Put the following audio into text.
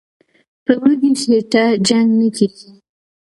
"په وږي خېټه جنګ نه کېږي".